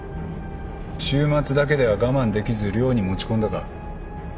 週末だけでは我慢できず寮に持ち込んだか。